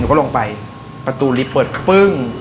ก็ลงไปประตูลิฟต์เปิดปึ้ง